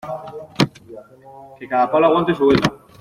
Que cada palo aguante su vela.